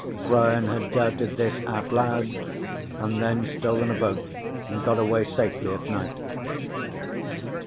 Brian had doubted this out loud, and then stolen a boat and got away safely at night.